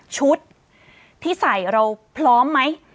ชุดที่ใส่เราพร้อมไหม